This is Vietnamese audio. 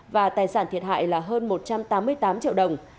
và tài sản thiệt hại là hơn một trăm tám mươi tám triệu đồng